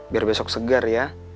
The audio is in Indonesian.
biar besok segar ya